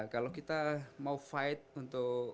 kalau kita mau fight untuk